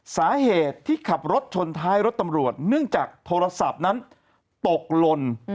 สาเหตุที่ขับรถชนท้ายรถตำรวจเนื่องจากโทรศัพท์นั้นตกลน